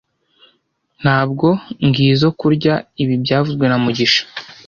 Ntabwo ngizo kurya ibi byavuzwe na mugisha